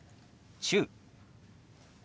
「中」。